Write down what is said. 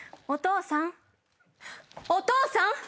お父さん⁉お父さん！